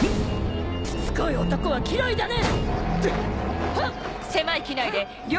しつこい男は嫌いだね！